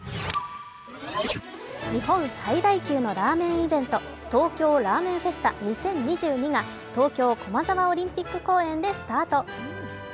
日本最大級のラーメンイベント、東京ラーメンフェスタ２０２２が東京・駒沢オリンピック公園でスタート。